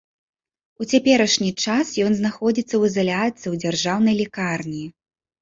У цяперашні час ён знаходзіцца ў ізаляцыі ў дзяржаўнай лякарні.